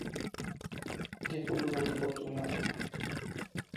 Gepi uzaldyp oturmaýyn